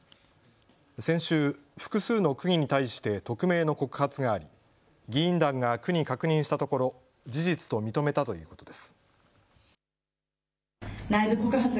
先週、複数の区議に対して匿名の告発があり議員団が区に確認したところ事実と認めたということです。